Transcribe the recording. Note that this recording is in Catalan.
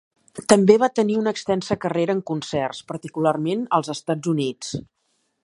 També va tenir una extensa carrera en concerts, particularment als Estats Units.